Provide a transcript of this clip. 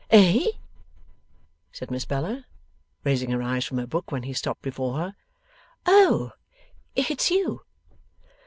'Eh?' said Miss Bella, raising her eyes from her book, when he stopped before her. 'Oh! It's you.